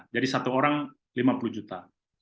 jadi satu orang lima puluh juta